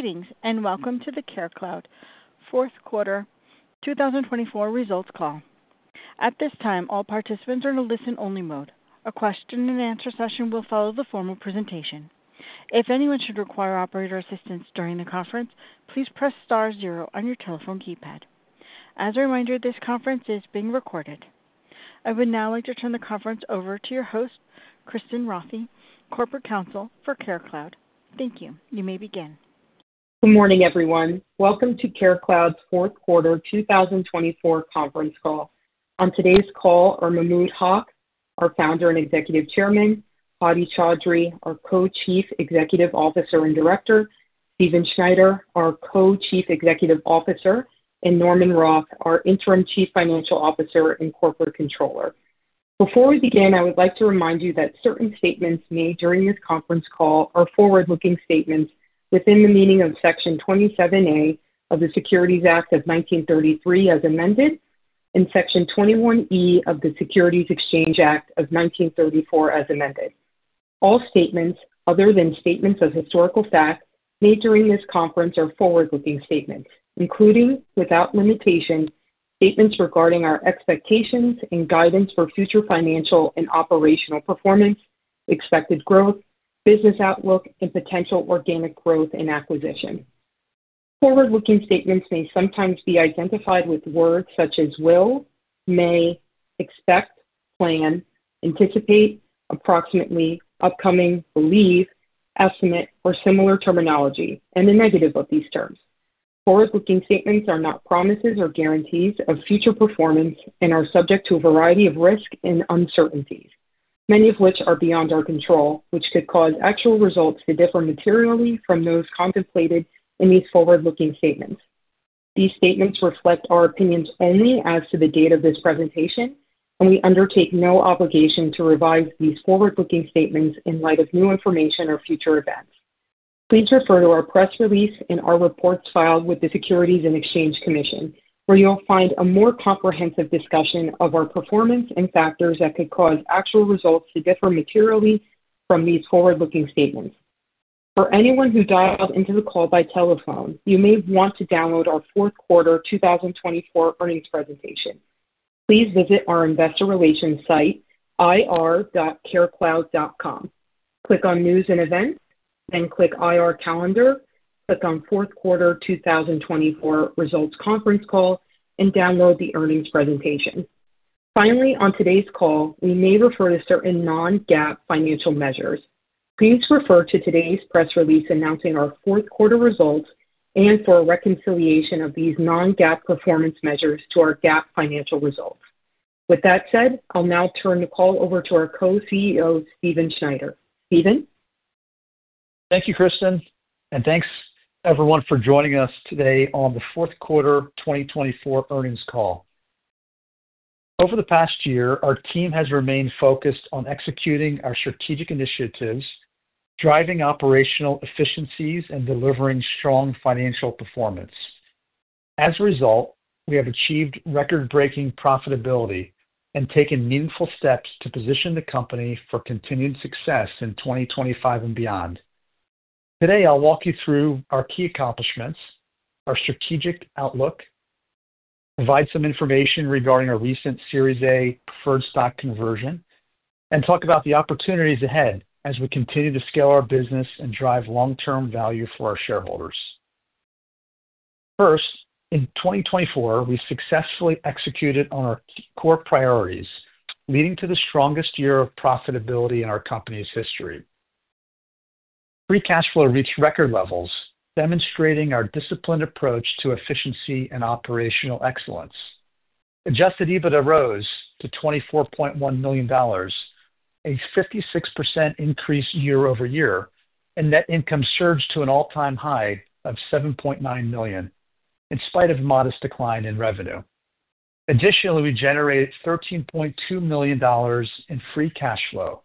Greetings and welcome to the CareCloud Fourth Quarter 2024 Results Call. At this time, all participants are in a listen-only mode. A question-and-answer session will follow the formal presentation. If anyone should require operator assistance during the conference, please press * zero on your telephone keypad. As a reminder, this conference is being recorded. I would now like to turn the conference over to your host, Kristin Rothe, Corporate Counsel for CareCloud. Thank you. You may begin. Good morning, everyone. Welcome to CareCloud's fourth quarter 2024 conference call. On today's call are Mahmud Haq, our Founder and Executive Hadi Chaudhry, our Co-Chief Executive Officer and Director; Stephen Snyder, our Co-Chief Executive Officer; and Norman Roth, our Interim Chief Financial Officer and Corporate Controller. Before we begin, I would like to remind you that certain statements made during this conference call are forward-looking statements within the meaning of Section 27A of the Securities Act of 1933 as amended, and Section 21E of the Securities Exchange Act of 1934 as amended. All statements other than statements of historical fact made during this conference are forward-looking statements, including, without limitation, statements regarding our expectations and guidance for future financial and operational performance, expected growth, business outlook, and potential organic growth and acquisition. Forward-looking statements may sometimes be identified with words such as will, may, expect, plan, anticipate, approximately, upcoming, believe, estimate, or similar terminology, and the negative of these terms. Forward-looking statements are not promises or guarantees of future performance and are subject to a variety of risks and uncertainties, many of which are beyond our control, which could cause actual results to differ materially from those contemplated in these forward-looking statements. These statements reflect our opinions only as to the date of this presentation, and we undertake no obligation to revise these forward-looking statements in light of new information or future events. Please refer to our press release and our reports filed with the Securities and Exchange Commission, where you'll find a more comprehensive discussion of our performance and factors that could cause actual results to differ materially from these forward-looking statements. For anyone who dialed into the call by telephone, you may want to download our fourth quarter 2024 earnings presentation. Please visit our investor relations site, ir.carecloud.com. Click on News and Events, then click IR Calendar, click on Fourth Quarter 2024 Results Conference Call, and download the earnings presentation. Finally, on today's call, we may refer to certain non-GAAP financial measures. Please refer to today's press release announcing our fourth quarter results and for reconciliation of these non-GAAP performance measures to our GAAP financial results. With that said, I'll now turn the call over to our co-CEO, Stephen Snyder. Stephen Snyder. Thank you, Kristin Rothe, and thanks, everyone, for joining us today on the fourth quarter 2024 earnings call. Over the past year, our team has remained focused on executing our strategic initiatives, driving operational efficiencies, and delivering strong financial performance. As a result, we have achieved record-breaking profitability and taken meaningful steps to position the company for continued success in 2025 and beyond. Today, I'll walk you through our key accomplishments, our strategic outlook, provide some information regarding our recent Series A preferred stock conversion, and talk about the opportunities ahead as we continue to scale our business and drive long-term value for our shareholders. First, in 2024, we successfully executed on our core priorities, leading to the strongest year of profitability in our company's history. Free cash flow reached record levels, demonstrating our disciplined approach to efficiency and operational excellence. Adjusted EBITDA rose to $24.1 million, a 56% increase year-over-year, and net income surged to an all-time high of $7.9 million, in spite of a modest decline in revenue. Additionally, we generated $13.2 million in free cash flow,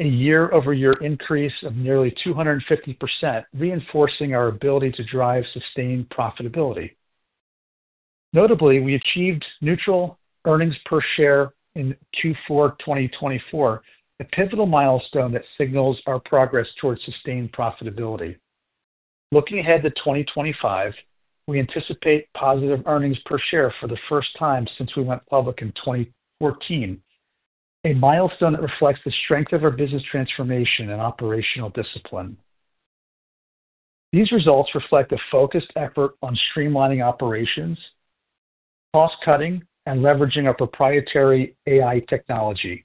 a year-over-year increase of nearly 250%, reinforcing our ability to drive sustained profitability. Notably, we achieved neutral earnings per share in Q4 2024, a pivotal milestone that signals our progress towards sustained profitability. Looking ahead to 2025, we anticipate positive earnings per share for the first time since we went public in 2014, a milestone that reflects the strength of our business transformation and operational discipline. These results reflect a focused effort on streamlining operations, cost-cutting, and leveraging our proprietary AI technology.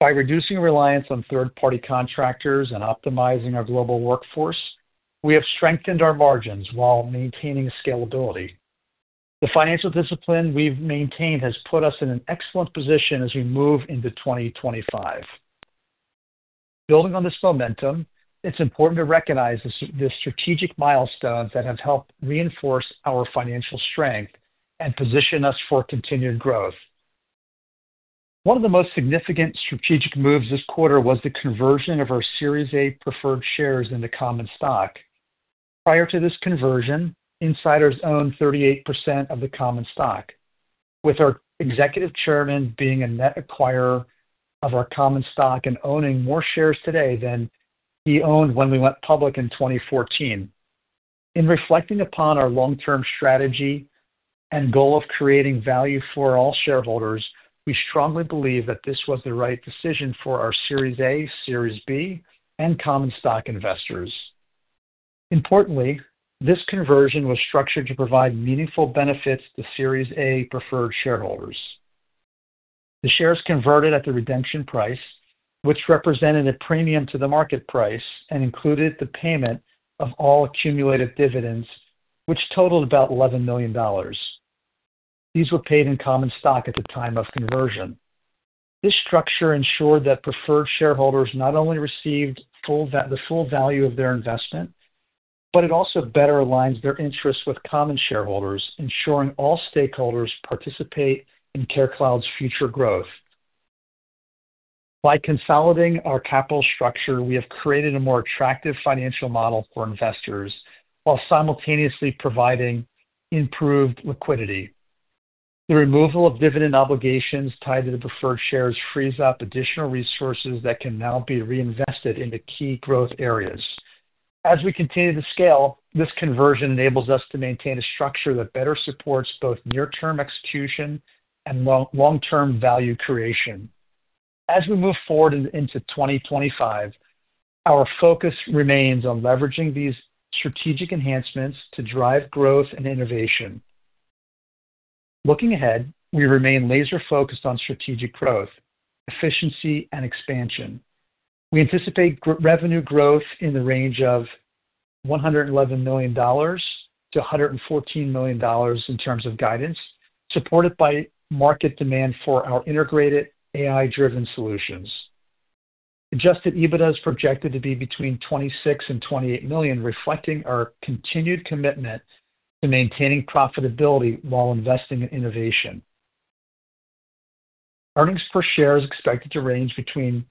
By reducing reliance on third-party contractors and optimizing our global workforce, we have strengthened our margins while maintaining scalability. The financial discipline we've maintained has put us in an excellent position as we move into 2025. Building on this momentum, it's important to recognize the strategic milestones that have helped reinforce our financial strength and position us for continued growth. One of the most significant strategic moves this quarter was the conversion of our Series A preferred shares into common stock. Prior to this conversion, insiders owned 38% of the common stock, with our Executive Chairman being a net acquirer of our common stock and owning more shares today than he owned when we went public in 2014. In reflecting upon our long-term strategy and goal of creating value for all shareholders, we strongly believe that this was the right decision for our Series A, Series B, and common stock investors. Importantly, this conversion was structured to provide meaningful benefits to Series A preferred shareholders. The shares converted at the redemption price, which represented a premium to the market price and included the payment of all accumulated dividends, which totaled about $11 million. These were paid in common stock at the time of conversion. This structure ensured that preferred shareholders not only received the full value of their investment, but it also better aligns their interests with common shareholders, ensuring all stakeholders participate in CareCloud's future growth. By consolidating our capital structure, we have created a more attractive financial model for investors while simultaneously providing improved liquidity. The removal of dividend obligations tied to the preferred shares frees up additional resources that can now be reinvested into key growth areas. As we continue to scale, this conversion enables us to maintain a structure that better supports both near-term execution and long-term value creation. As we move forward into 2025, our focus remains on leveraging these strategic enhancements to drive growth and innovation. Looking ahead, we remain laser-focused on strategic growth, efficiency, and expansion. We anticipate revenue growth in the range of $111 million-$114 million in terms of guidance, supported by market demand for our integrated AI-driven solutions. Adjusted EBITDA is projected to be between $26 million and $28 million, reflecting our continued commitment to maintaining profitability while investing in innovation. Earnings per share is expected to range between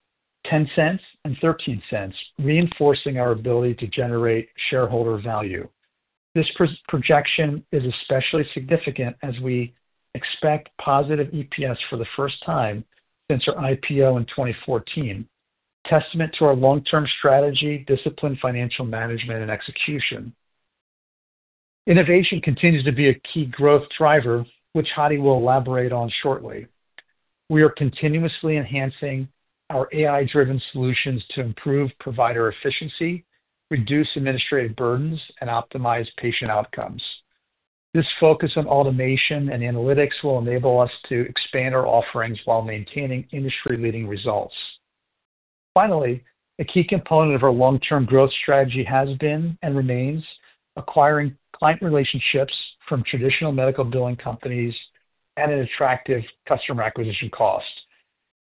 $0.10 and $0.13, reinforcing our ability to generate shareholder value. This projection is especially significant as we expect positive EPS for the first time since our IPO in 2014, a testament to our long-term strategy, disciplined financial management, and execution. Innovation continues to be a key growth driver, which Hadi Chaudhry will elaborate on shortly. We are continuously enhancing our AI-driven solutions to improve provider efficiency, reduce administrative burdens, and optimize patient outcomes. This focus on automation and analytics will enable us to expand our offerings while maintaining industry-leading results. Finally, a key component of our long-term growth strategy has been and remains acquiring client relationships from traditional medical billing companies and an attractive customer acquisition cost.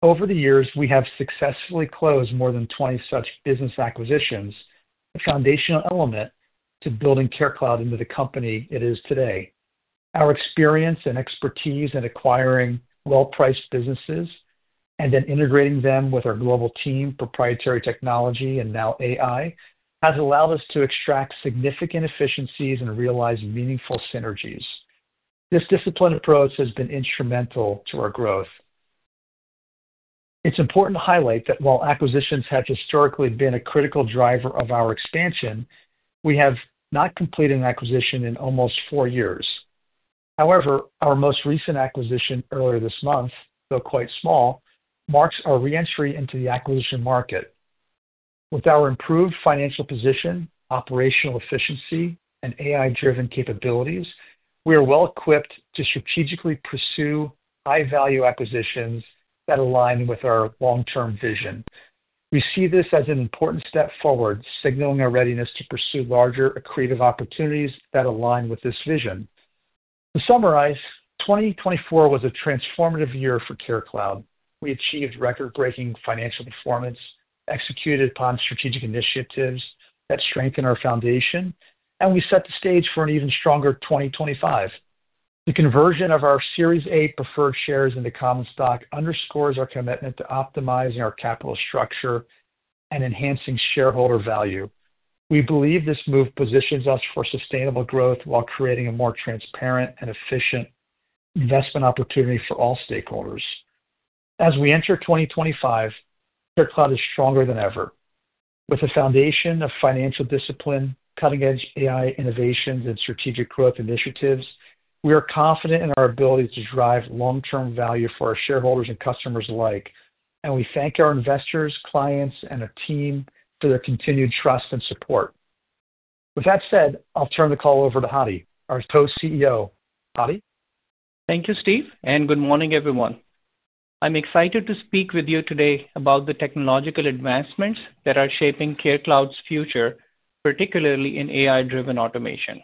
Over the years, we have successfully closed more than 20 such business acquisitions, a foundational element to building CareCloud into the company it is today. Our experience and expertise in acquiring well-priced businesses and then integrating them with our global team, proprietary technology, and now AI, has allowed us to extract significant efficiencies and realize meaningful synergies. This disciplined approach has been instrumental to our growth. It's important to highlight that while acquisitions have historically been a critical driver of our expansion, we have not completed an acquisition in almost four years. However, our most recent acquisition earlier this month, though quite small, marks our re-entry into the acquisition market. With our improved financial position, operational efficiency, and AI-driven capabilities, we are well-equipped to strategically pursue high-value acquisitions that align with our long-term vision. We see this as an important step forward, signaling our readiness to pursue larger accretive opportunities that align with this vision. To summarize, 2024 was a transformative year for CareCloud. We achieved record-breaking financial performance, executed upon strategic initiatives that strengthened our foundation, and we set the stage for an even stronger 2025. The conversion of our Series A preferred shares into common stock underscores our commitment to optimizing our capital structure and enhancing shareholder value. We believe this move positions us for sustainable growth while creating a more transparent and efficient investment opportunity for all stakeholders. As we enter 2025, CareCloud is stronger than ever. With a foundation of financial discipline, cutting-edge AI innovations, and strategic growth initiatives, we are confident in our ability to drive long-term value for our shareholders and customers alike, and we thank our investors, clients, and our team for their continued trust and support. With that said, I'll turn the call over to Hadi Chaudhry, our Co-CEO. Hadi Chaudhry. Thank you, Steve, and good morning, everyone. I'm excited to speak with you today about the technological advancements that are shaping CareCloud's future, particularly in AI-driven automation.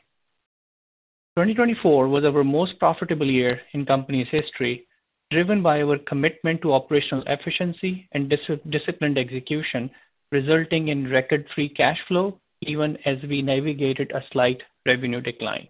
2024 was our most profitable year in the company's history, driven by our commitment to operational efficiency and disciplined execution, resulting in record free cash flow even as we navigated a slight revenue decline.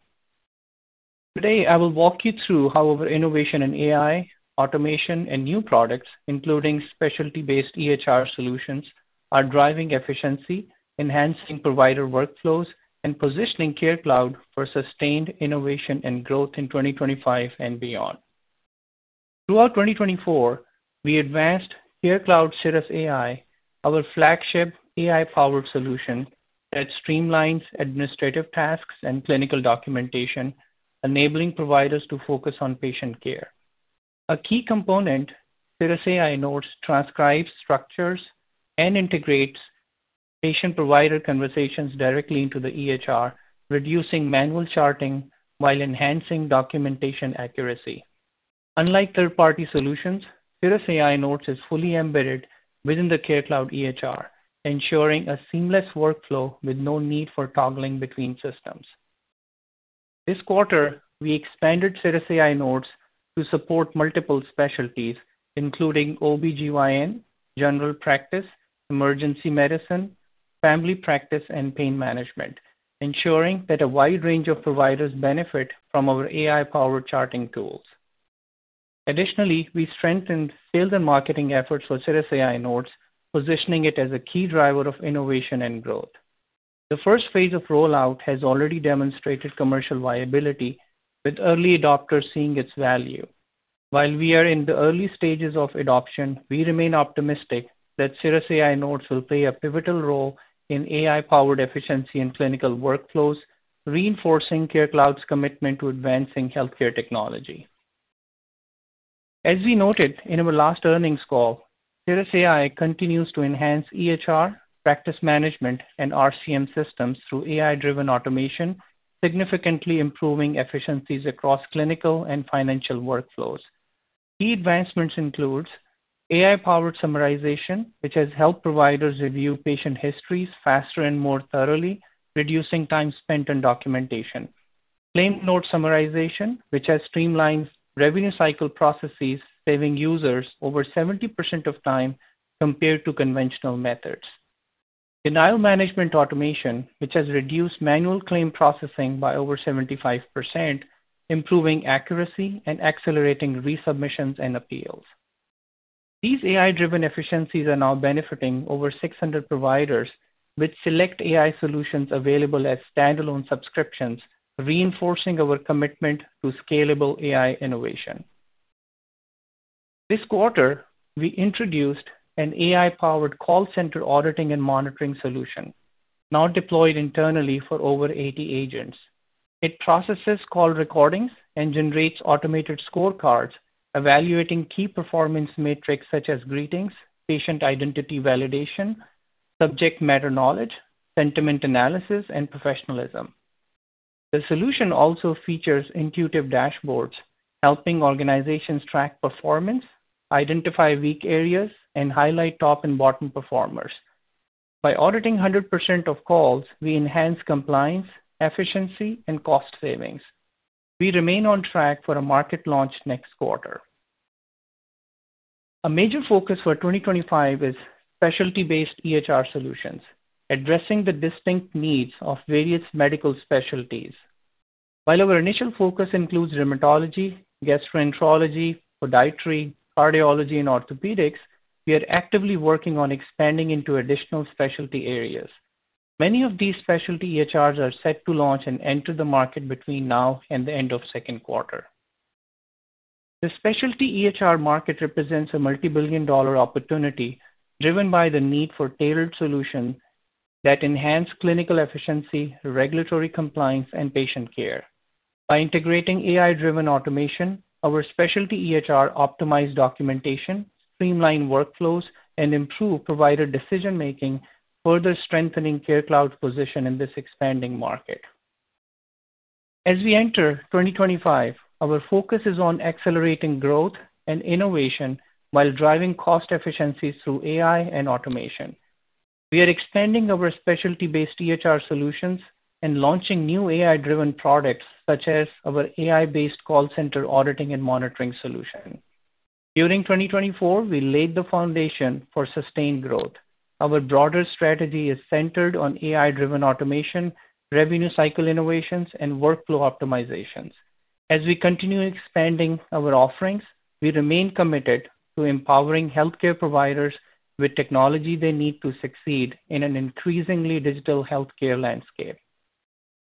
Today, I will walk you through how our innovation in AI, automation, and new products, including specialty-based EHR solutions, are driving efficiency, enhancing provider workflows, and positioning CareCloud for sustained innovation and growth in 2025 and beyond. Throughout 2024, we advanced CareCloud CirrusAI, our flagship AI-powered solution that streamlines administrative tasks and clinical documentation, enabling providers to focus on patient care. A key component, CirrusAI Notes transcribes, structures, and integrates patient-provider conversations directly into the EHR, reducing manual charting while enhancing documentation accuracy. Unlike third-party solutions, CirrusAI Notes is fully embedded within the CareCloud EHR, ensuring a seamless workflow with no need for toggling between systems. This quarter, we expanded CirrusAI Notes to support multiple specialties, including OB-GYN, general practice, emergency medicine, family practice, and pain management, ensuring that a wide range of providers benefit from our AI-powered charting tools. Additionally, we strengthened sales and marketing efforts for CirrusAI Notes, positioning it as a key driver of innovation and growth. The first phase of rollout has already demonstrated commercial viability, with early adopters seeing its value. While we are in the early stages of adoption, we remain optimistic that CirrusAI Notes will play a pivotal role in AI-powered efficiency and clinical workflows, reinforcing CareCloud's commitment to advancing healthcare technology. As we noted in our last earnings call, Sirius AI continues to enhance EHR, practice management, and RCM systems through AI-driven automation, significantly improving efficiencies across clinical and financial workflows. Key advancements include AI-powered summarization, which has helped providers review patient histories faster and more thoroughly, reducing time spent on documentation. Claim note summarization, which has streamlined revenue cycle processes, saving users over 70% of time compared to conventional methods. Denial management automation, which has reduced manual claim processing by over 75%, improving accuracy and accelerating resubmissions and appeals. These AI-driven efficiencies are now benefiting over 600 providers with select AI solutions available as standalone subscriptions, reinforcing our commitment to scalable AI innovation. This quarter, we introduced an AI-powered call center auditing and monitoring solution, now deployed internally for over 80 agents. It processes call recordings and generates automated scorecards, evaluating key performance metrics such as greetings, patient identity validation, subject matter knowledge, sentiment analysis, and professionalism. The solution also features intuitive dashboards, helping organizations track performance, identify weak areas, and highlight top and bottom performers. By auditing 100% of calls, we enhance compliance, efficiency, and cost savings. We remain on track for a market launch next quarter. A major focus for 2025 is specialty-based EHR solutions, addressing the distinct needs of various medical specialties. While our initial focus includes rheumatology, gastroenterology, podiatry, cardiology, and orthopedics, we are actively working on expanding into additional specialty areas. Many of these specialty EHRs are set to launch and enter the market between now and the end of second quarter. The specialty EHR market represents a multi-billion dollar opportunity driven by the need for tailored solutions that enhance clinical efficiency, regulatory compliance, and patient care. By integrating AI-driven automation, our specialty EHR optimizes documentation, streamlines workflows, and improves provider decision-making, further strengthening CareCloud's position in this expanding market. As we enter 2025, our focus is on accelerating growth and innovation while driving cost efficiencies through AI and automation. We are expanding our specialty-based EHR solutions and launching new AI-driven products, such as our AI-based call center auditing and monitoring solution. During 2024, we laid the foundation for sustained growth. Our broader strategy is centered on AI-driven automation, revenue cycle innovations, and workflow optimizations. As we continue expanding our offerings, we remain committed to empowering healthcare providers with technology they need to succeed in an increasingly digital healthcare landscape.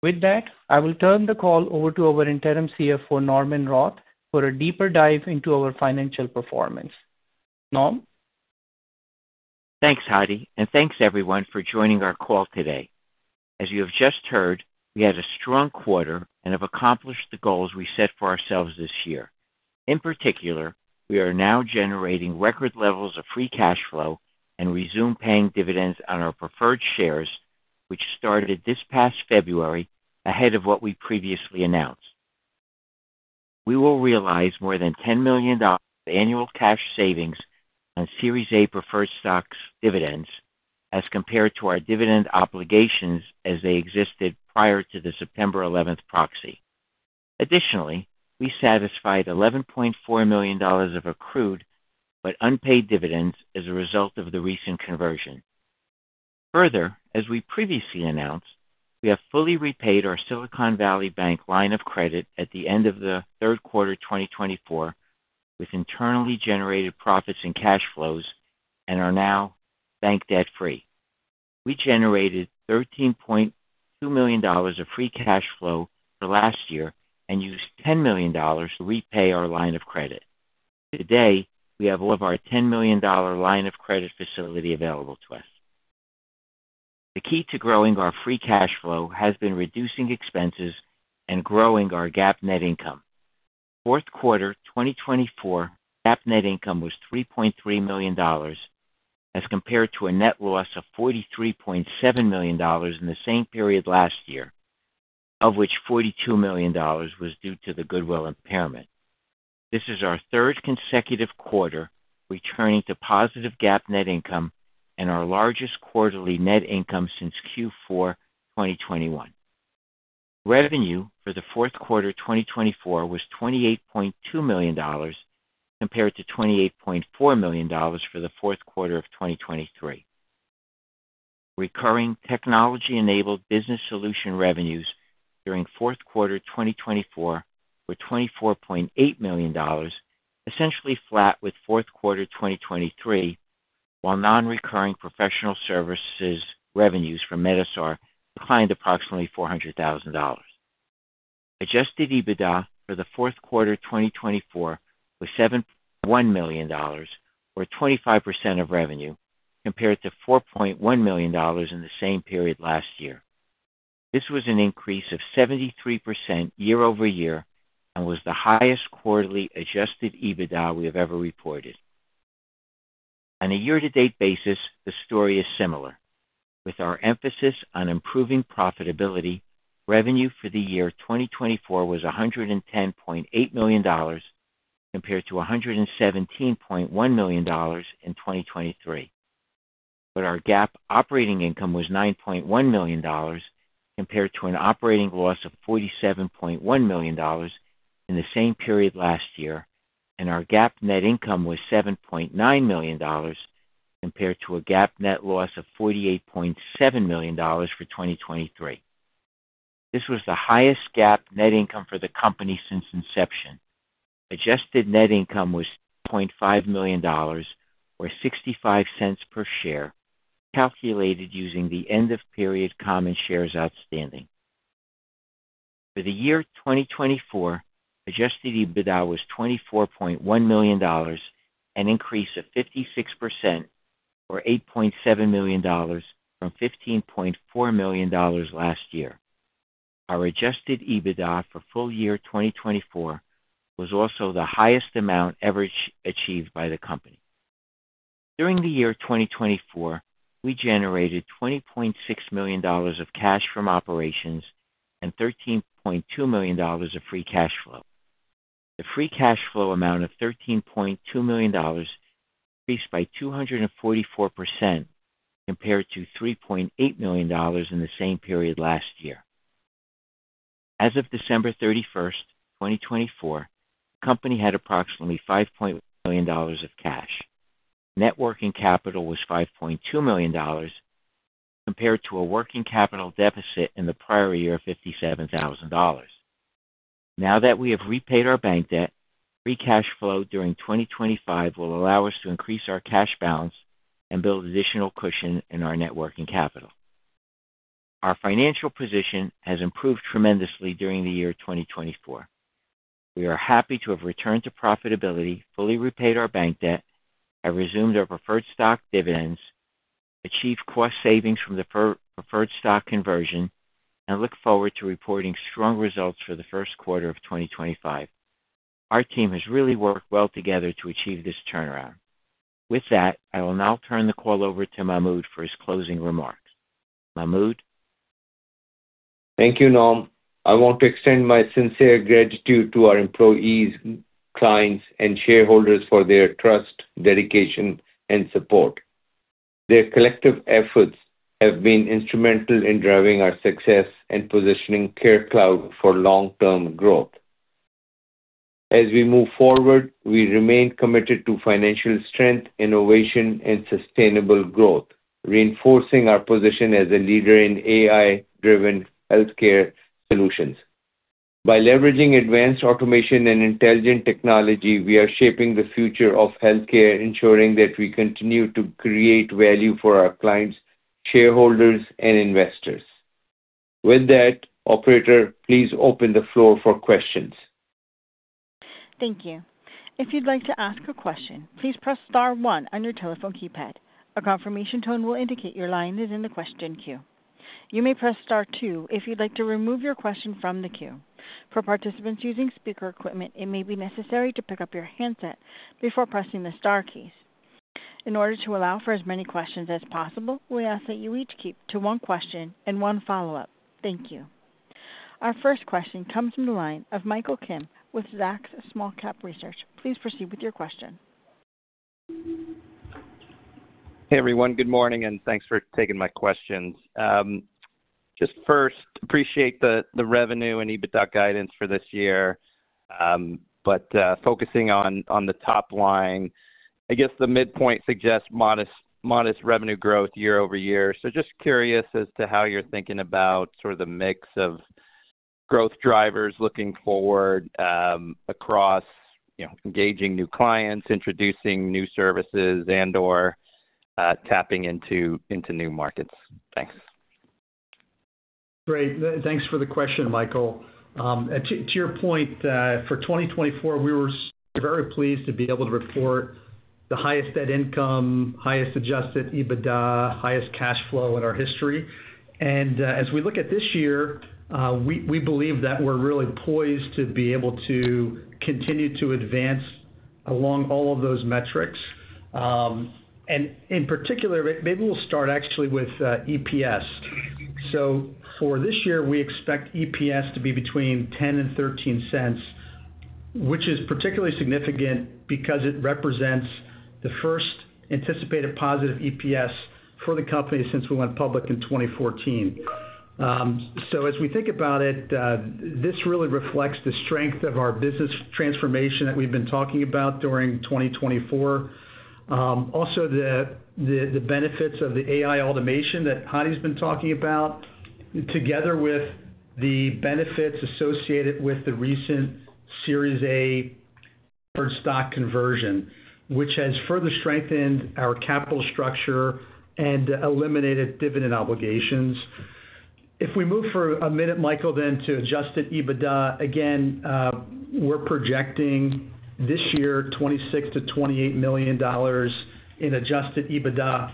With that, I will turn the call over to our Interim CFO, Norman Roth, for a deeper dive into our financial performance. Norman Roth? Thanks, Hadi Chaudhry, and thanks everyone for joining our call today. As you have just heard, we had a strong quarter and have accomplished the goals we set for ourselves this year. In particular, we are now generating record levels of free cash flow and resume paying dividends on our preferred shares, which started this past February ahead of what we previously announced. We will realize more than $10 million of annual cash savings on Series A preferred stocks dividends as compared to our dividend obligations as they existed prior to the September 11 proxy. Additionally, we satisfied $11.4 million of accrued but unpaid dividends as a result of the recent conversion. Further, as we previously announced, we have fully repaid our Silicon Valley Bank line of credit at the end of the third quarter 2024 with internally generated profits and cash flows and are now bank debt-free. We generated $13.2 million of free cash flow for last year and used $10 million to repay our line of credit. Today, we have all of our $10 million line of credit facility available to us. The key to growing our free cash flow has been reducing expenses and growing our GAAP net income. Fourth quarter 2024, GAAP net income was $3.3 million as compared to a net loss of $43.7 million in the same period last year, of which $42 million was due to the goodwill impairment. This is our third consecutive quarter returning to positive GAAP net income and our largest quarterly net income since Q4 2021. Revenue for the fourth quarter 2024 was $28.2 million compared to $28.4 million for the fourth quarter of 2023. Recurring technology-enabled business solution revenues during fourth quarter 2024 were $24.8 million, essentially flat with fourth quarter 2023, while non-recurring professional services revenues from medSR declined approximately $400,000. Adjusted EBITDA for the fourth quarter 2024 was $7.1 million, or 25% of revenue, compared to $4.1 million in the same period last year. This was an increase of 73% year-over-year and was the highest quarterly adjusted EBITDA we have ever reported. On a year-to-date basis, the story is similar. With our emphasis on improving profitability, revenue for the year 2024 was $110.8 million compared to $117.1 million in 2023. Our GAAP operating income was $9.1 million compared to an operating loss of $47.1 million in the same period last year, and our GAAP net income was $7.9 million compared to a GAAP net loss of $48.7 million for 2023. This was the highest GAAP net income for the company since inception. Adjusted net income was $6.5 million, or $0.65 per share, calculated using the end-of-period common shares outstanding. For the year 2024, adjusted EBITDA was $24.1 million and increased 56%, or $8.7 million from $15.4 million last year. Our adjusted EBITDA for full year 2024 was also the highest amount ever achieved by the company. During the year 2024, we generated $20.6 million of cash from operations and $13.2 million of free cash flow. The free cash flow amount of $13.2 million increased by 244% compared to $3.8 million in the same period last year. As of December 31, 2024, the company had approximately $5.1 million of cash. Net working capital was $5.2 million, compared to a working capital deficit in the prior year of $57,000. Now that we have repaid our bank debt, free cash flow during 2025 will allow us to increase our cash balance and build additional cushion in our networking capital. Our financial position has improved tremendously during the year 2024. We are happy to have returned to profitability, fully repaid our bank debt, have resumed our preferred stock dividends, achieved cost savings from the preferred stock conversion, and look forward to reporting strong results for the first quarter of 2025. Our team has really worked well together to achieve this turnaround. With that, I will now turn the call over to Mahmud Haq for his closing remarks. Mahmud Haq? Thank you, Norman Roth. I want to extend my sincere gratitude to our employees, clients, and shareholders for their trust, dedication, and support. Their collective efforts have been instrumental in driving our success and positioning CareCloud for long-term growth. As we move forward, we remain committed to financial strength, innovation, and sustainable growth, reinforcing our position as a leader in AI-driven healthcare solutions. By leveraging advanced automation and intelligent technology, we are shaping the future of healthcare, ensuring that we continue to create value for our clients, shareholders, and investors. With that, Operator, please open the floor for questions. Thank you. If you'd like to ask a question, please press * one on your telephone keypad. A confirmation tone will indicate your line is in the question queue. You may press * two if you'd like to remove your question from the queue. For participants using speaker equipment, it may be necessary to pick up your handset before pressing the * keys. In order to allow for as many questions as possible, we ask that you each keep to one question and one follow-up. Thank you. Our first question comes from the line of Michael Kim with Zacks Small Cap Research. Please proceed with your question. Hey, everyone. Good morning, and thanks for taking my questions. Just first, appreciate the revenue and EBITDA guidance for this year, but focusing on the top line. I guess the midpoint suggests modest revenue growth year-over-year. Just curious as to how you're thinking about sort of the mix of growth drivers looking forward across engaging new clients, introducing new services, and/or tapping into new markets. Thanks. Great. Thanks for the question, Michael Kim. To your point, for 2024, we were very pleased to be able to report the highest net income, highest adjusted EBITDA, highest cash flow in our history. As we look at this year, we believe that we're really poised to be able to continue to advance along all of those metrics. In particular, maybe we'll start actually with EPS. For this year, we expect EPS to be between $0.10 and $0.13, which is particularly significant because it represents the first anticipated positive EPS for the company since we went public in 2014. As we think about it, this really reflects the strength of our business transformation that we've been talking about during 2024. Also, the benefits of the AI automation that Hadi Chaudhry's been talking about, together with the benefits associated with the recent Series A preferred stock conversion, which has further strengthened our capital structure and eliminated dividend obligations. If we move for a minute, Michael Kim, then to adjusted EBITDA, again, we're projecting this year $26-$28 million in adjusted EBITDA,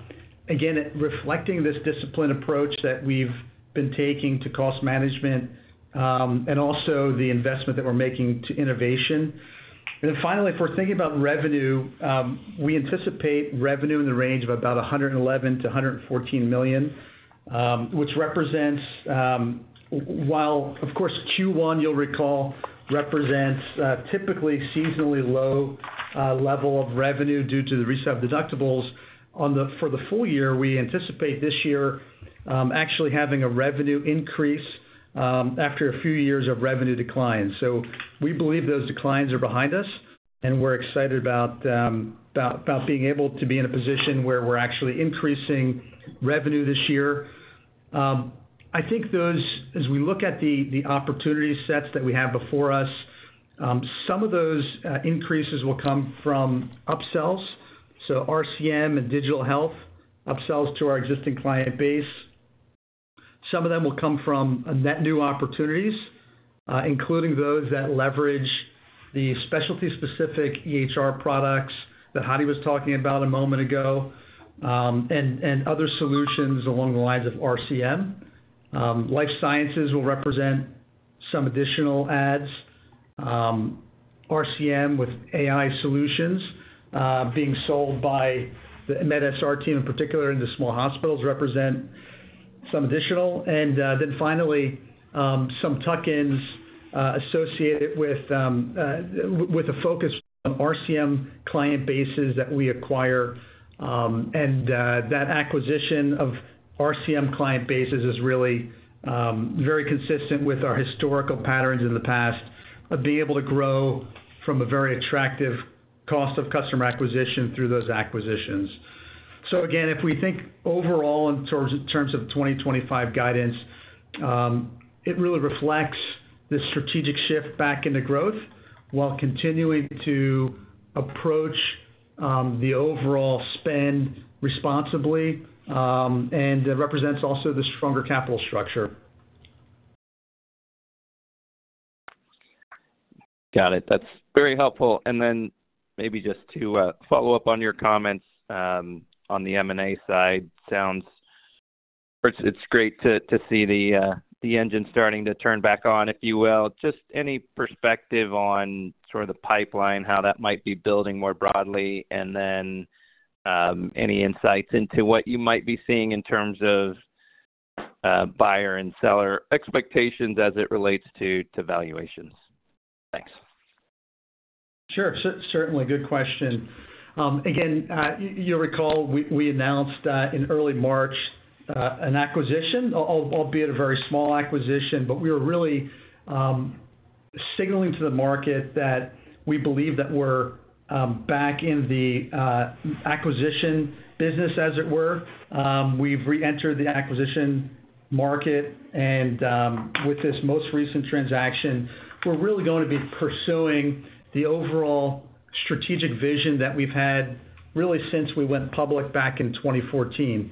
again, reflecting this disciplined approach that we've been taking to cost management and also the investment that we're making to innovation. Finally, if we're thinking about revenue, we anticipate revenue in the range of about $111-$114 million, which represents, while of course, Q1, you'll recall, represents typically seasonally low level of revenue due to the resale of deductibles. For the full year, we anticipate this year actually having a revenue increase after a few years of revenue declines. We believe those declines are behind us, and we're excited about being able to be in a position where we're actually increasing revenue this year. I think those, as we look at the opportunity sets that we have before us, some of those increases will come from upsells. RCM and digital health, upsells to our existing client base. Some of them will come from net new opportunities, including those that leverage the specialty-specific EHR products that Hadi Chaudhry was talking about a moment ago and other solutions along the lines of RCM. Life Sciences will represent some additional adds. RCM with AI solutions being sold by the medSR team in particular in the small hospitals represent some additional. Finally, some tuck-ins associated with a focus on RCM client bases that we acquire. That acquisition of RCM client bases is really very consistent with our historical patterns in the past of being able to grow from a very attractive cost of customer acquisition through those acquisitions. If we think overall in terms of 2025 guidance, it really reflects the strategic shift back into growth while continuing to approach the overall spend responsibly and represents also the stronger capital structure. Got it. That's very helpful. Maybe just to follow up on your comments on the M&A side, it's great to see the engine starting to turn back on, if you will. Just any perspective on sort of the pipeline, how that might be building more broadly, and then any insights into what you might be seeing in terms of buyer and seller expectations as it relates to valuations. Thanks. Sure. Certainly good question. Again, you'll recall we announced in early March an acquisition, albeit a very small acquisition, but we were really signaling to the market that we believe that we're back in the acquisition business, as it were. We've re-entered the acquisition market, and with this most recent transaction, we're really going to be pursuing the overall strategic vision that we've had really since we went public back in 2014.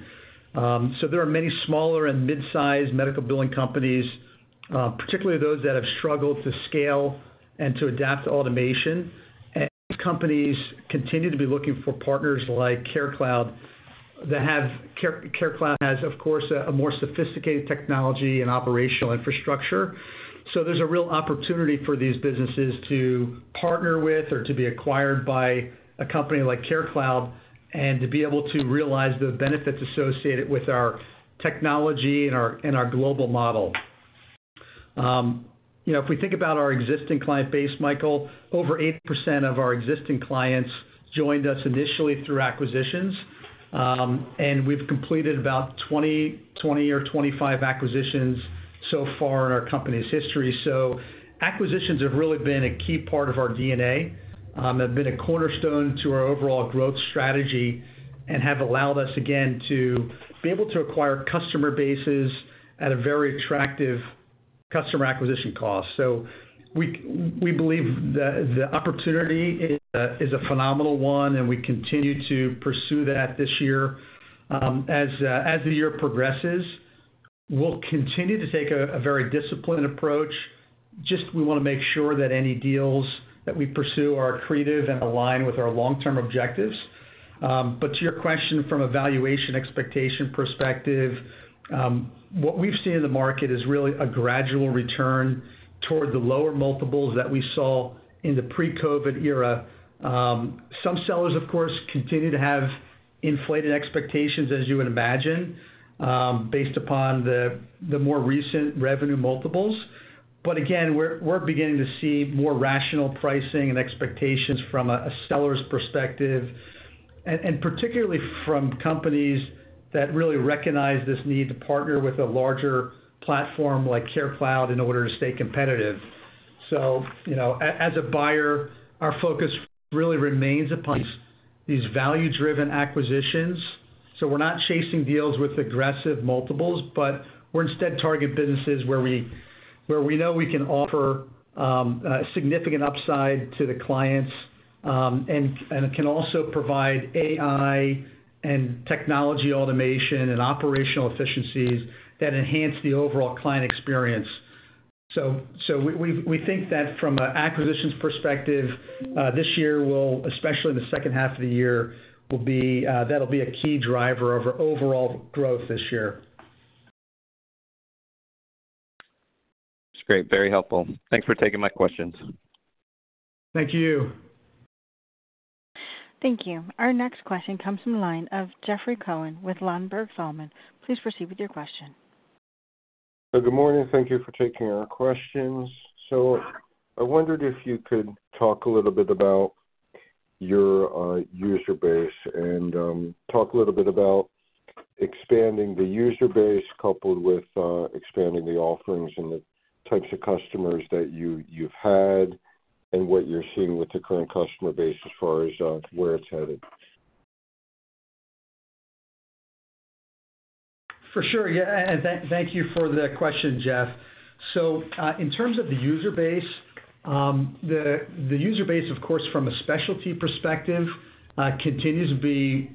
There are many smaller and mid-sized medical billing companies, particularly those that have struggled to scale and to adapt to automation. These companies continue to be looking for partners like CareCloud. CareCloud has, of course, a more sophisticated technology and operational infrastructure. There is a real opportunity for these businesses to partner with or to be acquired by a company like CareCloud and to be able to realize the benefits associated with our technology and our global model. If we think about our existing client base, Michael Kim, over 80% of our existing clients joined us initially through acquisitions, and we have completed about 20 or 25 acquisitions so far in our company's history. Acquisitions have really been a key part of our DNA, have been a cornerstone to our overall growth strategy, and have allowed us, again, to be able to acquire customer bases at a very attractive customer acquisition cost. We believe the opportunity is a phenomenal one, and we continue to pursue that this year. As the year progresses, we will continue to take a very disciplined approach. We want to make sure that any deals that we pursue are accretive and align with our long-term objectives. To your question from a valuation expectation perspective, what we've seen in the market is really a gradual return toward the lower multiples that we saw in the pre-COVID era. Some sellers, of course, continue to have inflated expectations, as you would imagine, based upon the more recent revenue multiples. Again, we're beginning to see more rational pricing and expectations from a seller's perspective, and particularly from companies that really recognize this need to partner with a larger platform like CareCloud in order to stay competitive. As a buyer, our focus really remains upon these value-driven acquisitions. We're not chasing deals with aggressive multiples, but we're instead targeting businesses where we know we can offer significant upside to the clients and can also provide AI and technology automation and operational efficiencies that enhance the overall client experience. We think that from an acquisitions perspective, this year, especially in the second half of the year, that'll be a key driver of our overall growth this year. That's great. Very helpful. Thanks for taking my questions. Thank you. Thank you. Our next question comes from the line of Jeffrey Cohen with Ladenburg Thalmann. Please proceed with your question. Good morning. Thank you for taking our questions. I wondered if you could talk a little bit about your user base and talk a little bit about expanding the user base coupled with expanding the offerings and the types of customers that you've had and what you're seeing with the current customer base as far as where it's headed. For sure. Yeah. Thank you for the question, Jeffrey Cohen. In terms of the user base, the user base, of course, from a specialty perspective, continues to be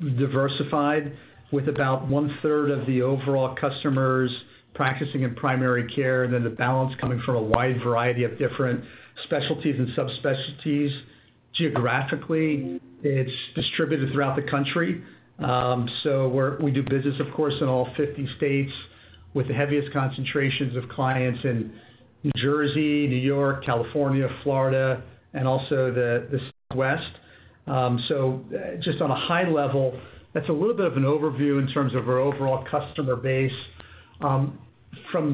diversified with about one-third of the overall customers practicing in primary care, and then the balance coming from a wide variety of different specialties and subspecialties. Geographically, it is distributed throughout the country. We do business, of course, in all 50 states with the heaviest concentrations of clients in New Jersey, New York, California, Florida, and also the West. Just on a high level, that is a little bit of an overview in terms of our overall customer base. From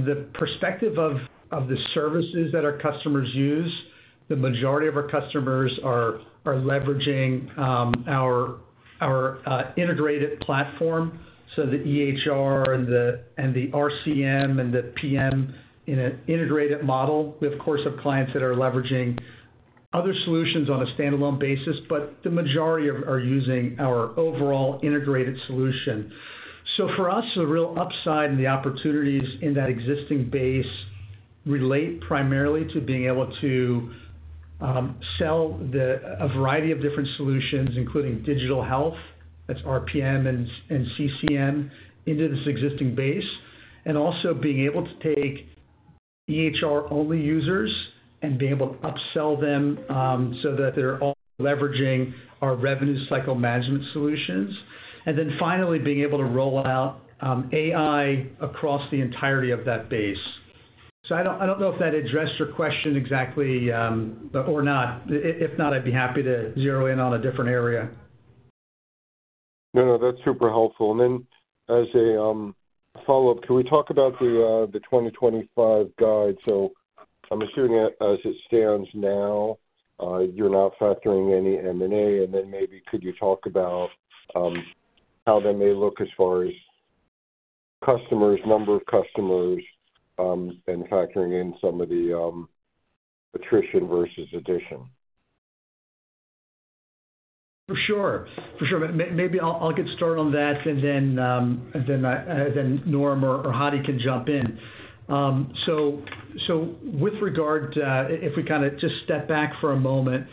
the perspective of the services that our customers use, the majority of our customers are leveraging our integrated platform. The EHR and the RCM and the PM in an integrated model. We, of course, have clients that are leveraging other solutions on a standalone basis, but the majority are using our overall integrated solution. For us, the real upside and the opportunities in that existing base relate primarily to being able to sell a variety of different solutions, including digital health, that's RPM and CCM, into this existing base, and also being able to take EHR-only users and be able to upsell them so that they're all leveraging our revenue cycle management solutions. Finally, being able to roll out AI across the entirety of that base. I don't know if that addressed your question exactly or not. If not, I'd be happy to zero in on a different area. No, no. That's super helpful. As a follow-up, can we talk about the 2025 guide? I'm assuming as it stands now, you're not factoring any M&A. Maybe could you talk about how they may look as far as customers, number of customers, and factoring in some of the attrition versus addition? For sure. For sure. Maybe I'll get started on that, and then Norman Roth or Hadi Chaudhry can jump in. With regard, if we kind of just step back for a moment,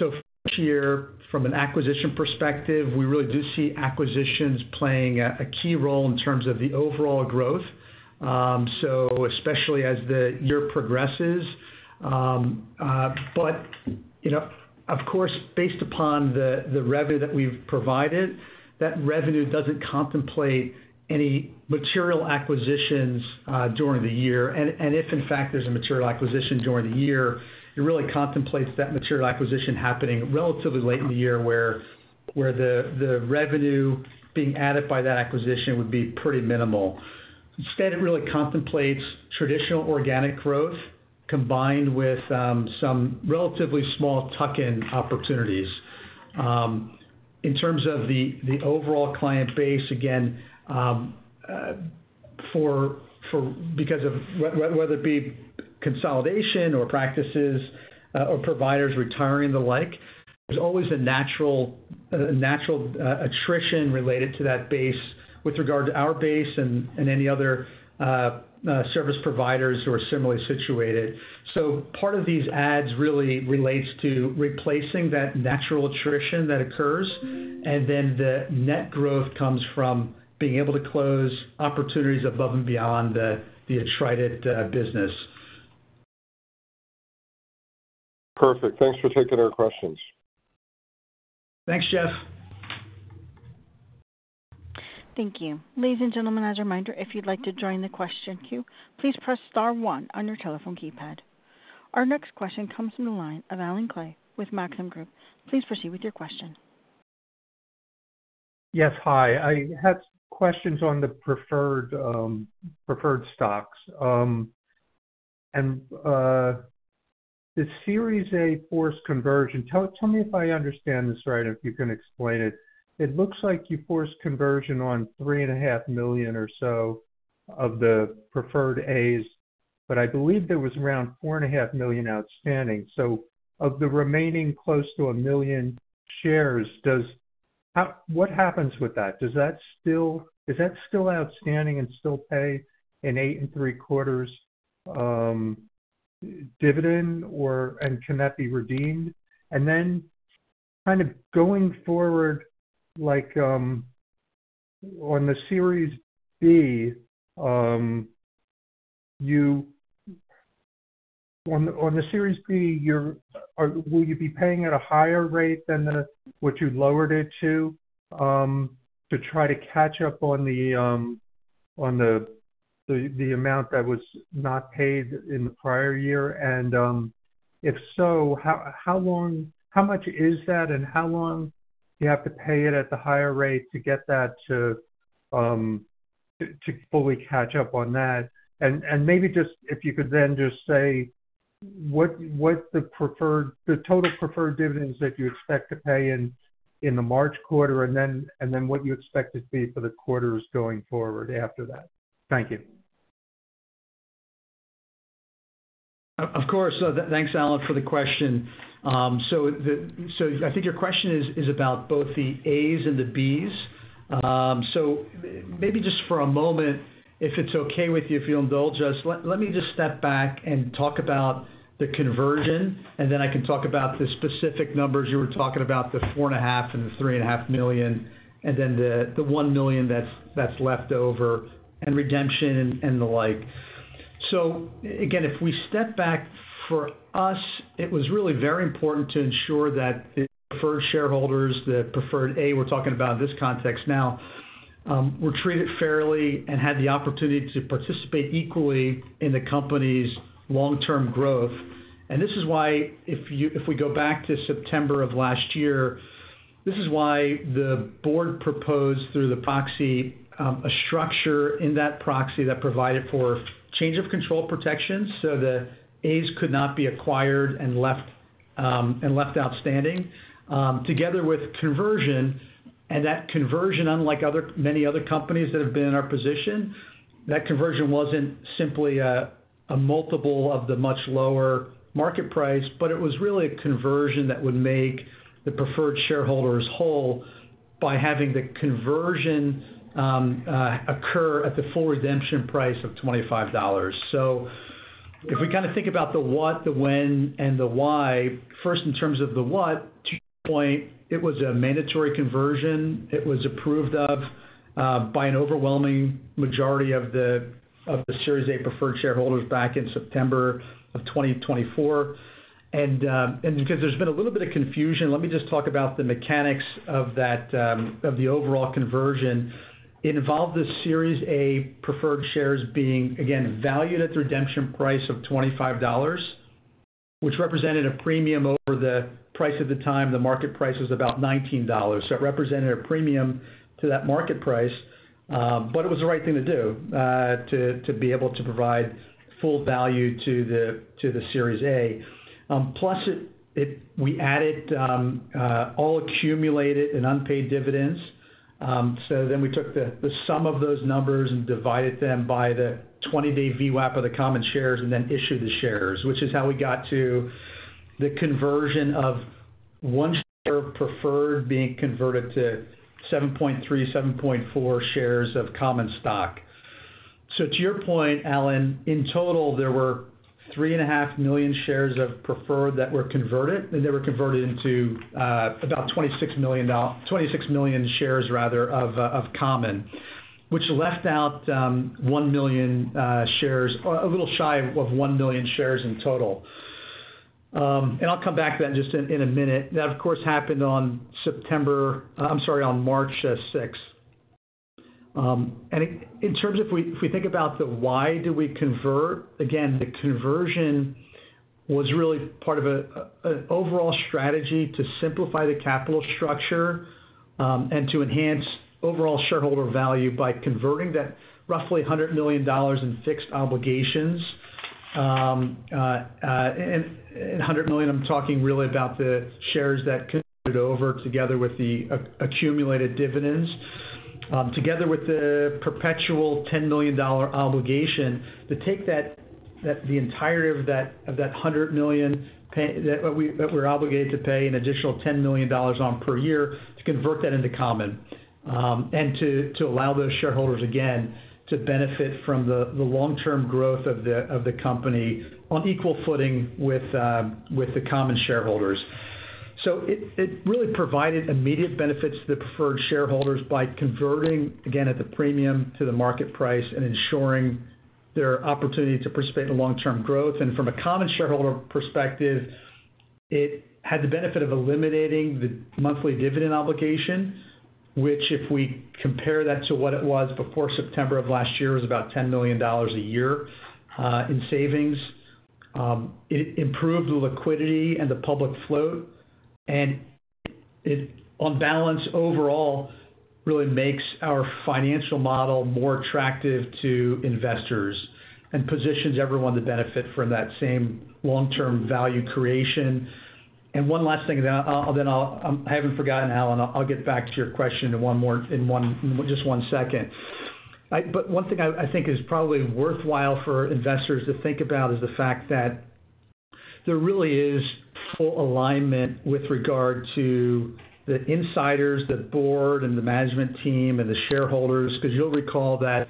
this year, from an acquisition perspective, we really do see acquisitions playing a key role in terms of the overall growth, especially as the year progresses. Of course, based upon the revenue that we've provided, that revenue doesn't contemplate any material acquisitions during the year. If, in fact, there's a material acquisition during the year, it really contemplates that material acquisition happening relatively late in the year where the revenue being added by that acquisition would be pretty minimal. Instead, it really contemplates traditional organic growth combined with some relatively small tuck-in opportunities. In terms of the overall client base, again, because of whether it be consolidation or practices or providers retiring and the like, there is always a natural attrition related to that base with regard to our base and any other service providers who are similarly situated. Part of these adds really relates to replacing that natural attrition that occurs, and then the net growth comes from being able to close opportunities above and beyond the attracted business. Perfect. Thanks for taking our questions. Thanks, Jeffrey Cohen. Thank you. Ladies and gentlemen, as a reminder, if you'd like to join the question queue, please press * one on your telephone keypad. Our next question comes from the line of Allen Klee with Maxim Group. Please proceed with your question. Yes. Hi. I had some questions on the preferred stocks. The Series A force conversion, tell me if I understand this right, if you can explain it. It looks like you forced conversion on $3,500,000 or so of the preferred As, but I believe there was around $4,500,000 outstanding. Of the remaining close to $1,000,000 shares, what happens with that? Is that still outstanding and still pay an 8.75% dividend, and can that be redeemed? Going forward, on the Series B, on the Series B, will you be paying at a higher rate than what you lowered it to to try to catch up on the amount that was not paid in the prior year? If so, how much is that, and how long do you have to pay it at the higher rate to get that to fully catch up on that? Maybe just if you could then just say what's the total preferred dividends that you expect to pay in the March quarter, and then what you expect it to be for the quarters going forward after that. Thank you. Of course. Thanks, Alan, for the question. I think your question is about both the As and the Bs. Maybe just for a moment, if it's okay with you if we indulge us, let me just step back and talk about the conversion, and then I can talk about the specific numbers you were talking about, the $4.5 million and the $3.5 million, and then the $1 million that's left over, and redemption and the like. Again, if we step back, for us, it was really very important to ensure that the preferred shareholders, the preferred A we're talking about in this context now, were treated fairly and had the opportunity to participate equally in the company's long-term growth. If we go back to September of last year, this is why the board proposed through the proxy a structure in that proxy that provided for change of control protections so that As could not be acquired and left outstanding, together with conversion. That conversion, unlike many other companies that have been in our position, was not simply a multiple of the much lower market price, but it was really a conversion that would make the preferred shareholders whole by having the conversion occur at the full redemption price of $25. If we kind of think about the what, the when, and the why, first in terms of the what, to your point, it was a mandatory conversion. It was approved of by an overwhelming majority of the Series A preferred shareholders back in September of 2024. Because there's been a little bit of confusion, let me just talk about the mechanics of the overall conversion. It involved the Series A preferred shares being, again, valued at the redemption price of $25, which represented a premium over the price at the time. The market price was about $19. It represented a premium to that market price, but it was the right thing to do to be able to provide full value to the Series A. Plus, we added all accumulated and unpaid dividends. We took the sum of those numbers and divided them by the 20-day VWAP of the common shares and then issued the shares, which is how we got to the conversion of one share of preferred being converted to 7.3, 7.4 shares of common stock. To your point, Alan, in total, there were three and a half million shares of preferred that were converted, and they were converted into about 26 million shares, rather, of common, which left out one million shares, a little shy of one million shares in total. I'll come back to that in just a minute. That, of course, happened on March 6th. In terms of if we think about the why do we convert, again, the conversion was really part of an overall strategy to simplify the capital structure and to enhance overall shareholder value by converting that roughly $100 million in fixed obligations. One hundred million, I'm talking really about the shares that converted over together with the accumulated dividends, together with the perpetual $10 million obligation to take the entirety of that 100 million that we're obligated to pay an additional $10 million on per year to convert that into common and to allow those shareholders, again, to benefit from the long-term growth of the company on equal footing with the common shareholders. It really provided immediate benefits to the preferred shareholders by converting, again, at the premium to the market price and ensuring their opportunity to participate in long-term growth. From a common shareholder perspective, it had the benefit of eliminating the monthly dividend obligation, which if we compare that to what it was before September of last year, it was about $10 million a year in savings. It improved the liquidity and the public float. On balance, overall, really makes our financial model more attractive to investors and positions everyone to benefit from that same long-term value creation. One last thing, I have not forgotten, Alan, I will get back to your question in just one second. One thing I think is probably worthwhile for investors to think about is the fact that there really is full alignment with regard to the insiders, the board, the management team, and the shareholders. You will recall that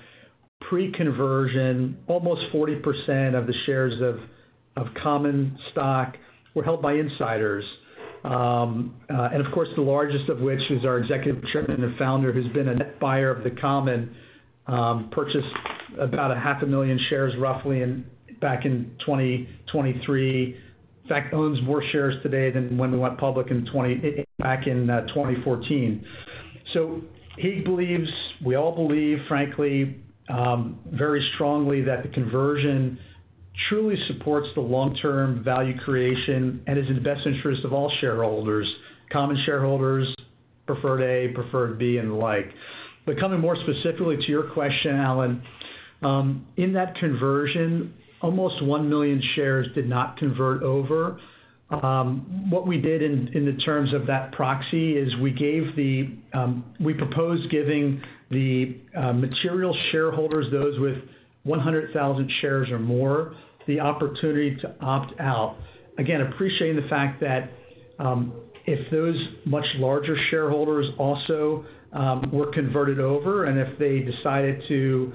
pre-conversion, almost 40% of the shares of common stock were held by insiders. Of course, the largest of which is our Executive Chairman and founder, who has been a net buyer of the common, purchased about 500,000 shares roughly back in 2023. In fact, owns more shares today than when we went public back in 2014. He believes, we all believe, frankly, very strongly that the conversion truly supports the long-term value creation and is in the best interest of all shareholders, common shareholders, preferred A, preferred B, and the like. Coming more specifically to your question, Alan, in that conversion, almost one million shares did not convert over. What we did in the terms of that proxy is we proposed giving the material shareholders, those with 100,000 shares or more, the opportunity to opt out. Again, appreciating the fact that if those much larger shareholders also were converted over, and if they decided to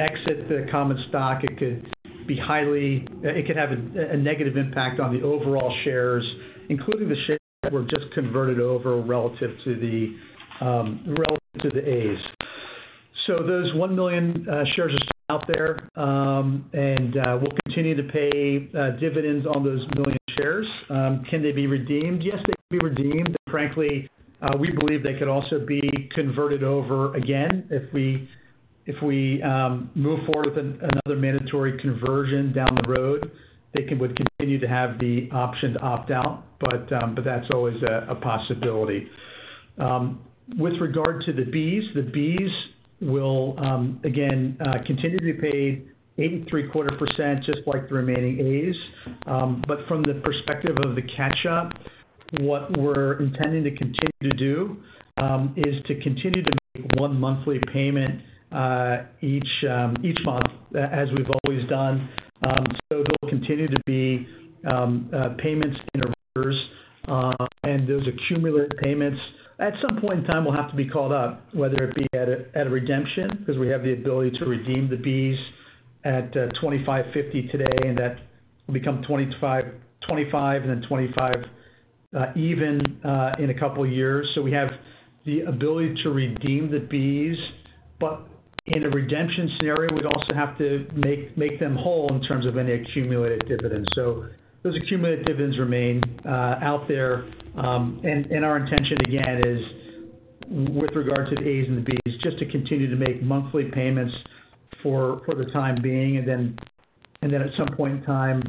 exit the common stock, it could have a negative impact on the overall shares, including the shares that were just converted over relative to the As. Those one million shares are still out there, and we'll continue to pay dividends on those million shares. Can they be redeemed? Yes, they can be redeemed. Frankly, we believe they could also be converted over again. If we move forward with another mandatory conversion down the road, they would continue to have the option to opt out, but that's always a possibility. With regard to the Bs, the Bs will, again, continue to be paid 83.25%, just like the remaining As. From the perspective of the catch-up, what we're intending to continue to do is to continue to make one monthly payment each month, as we've always done. They'll continue to be payments in arrears, and those accumulated payments, at some point in time, will have to be caught up, whether it be at a redemption, because we have the ability to redeem the Bs at $25.50 today, and that will become $25.25 and then $25.25 even in a couple of years. We have the ability to redeem the Bs, but in a redemption scenario, we'd also have to make them whole in terms of any accumulated dividends. Those accumulated dividends remain out there. Our intention, again, is with regard to the As and the Bs, just to continue to make monthly payments for the time being. At some point in time,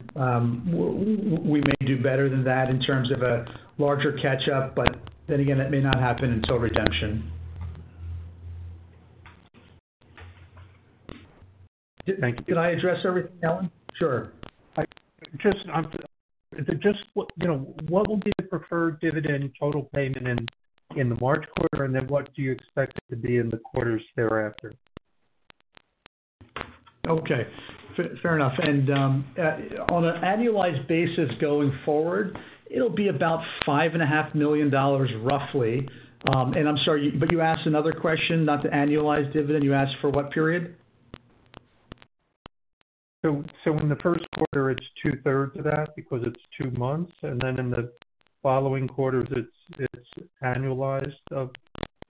we may do better than that in terms of a larger catch-up, but that may not happen until redemption. Thank you. Did I address everything, Allen Klee? Sure. Just what will be the preferred dividend total payment in the March quarter, and then what do you expect it to be in the quarters thereafter? Fair enough. On an annualized basis going forward, it'll be about $5.5 million, roughly. I'm sorry, but you asked another question, not the annualized dividend. You asked for what period? In the first quarter, it's two-thirds of that because it's two months. And then in the following quarters, it's annualized of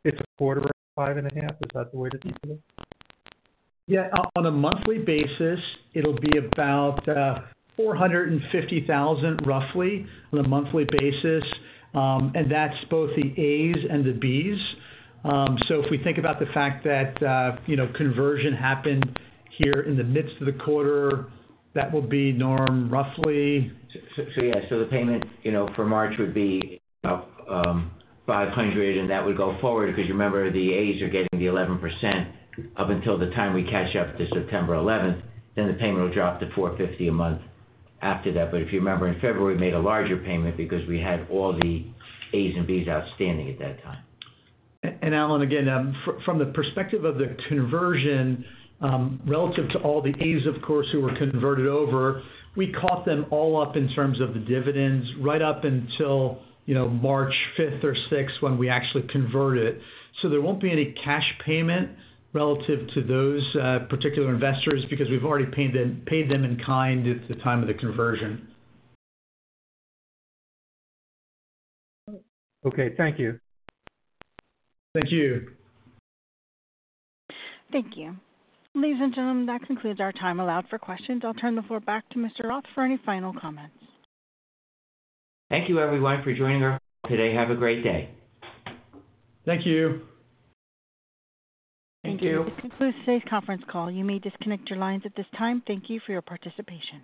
it's a quarter of five and a half. Is that the way to think of it? Yeah. On a monthly basis, it'll be about $450,000, roughly, on a monthly basis. That's both the As and the Bs. If we think about the fact that conversion happened here in the midst of the quarter, that will be norm, roughly. Yeah, the payment for March would be $500, and that would go forward. Because remember, the As are getting the 11% up until the time we catch up to September 11th, then the payment will drop to $450 a month after that. If you remember, in February, we made a larger payment because we had all the As and Bs outstanding at that time. Alan, again, from the perspective of the conversion, relative to all the As, of course, who were converted over, we caught them all up in terms of the dividends right up until March 5th or 6th when we actually converted. There will not be any cash payment relative to those particular investors because we have already paid them in kind at the time of the conversion. Okay. Thank you. Thank you. Thank you. Ladies and gentlemen, that concludes our time allowed for questions. I'll turn the floor back to Mr. Roth for any final comments. Thank you, everyone, for joining our call today. Have a great day. Thank you. Thank you. This concludes today's conference call. You may disconnect your lines at this time. Thank you for your participation.